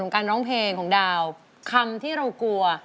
คำที่เรากลัว